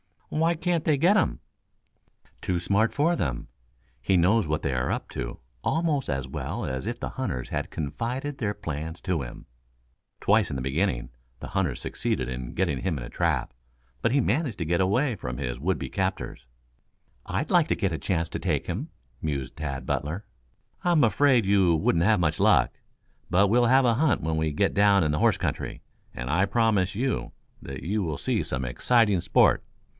"Why can't they get him?" "Too smart for them. He knows what they are up to almost as well as if the hunters had confided their plans to him. Twice, in the beginning, the hunters succeeded in getting him in a trap, but he managed to get away from his would be captors." "I'd like to get a chance to take him," mused Tad Butler. "I'm afraid you wouldn't have much luck, but we'll have a hunt when we get down in the horse country, and I promise you that you will see some exciting sport.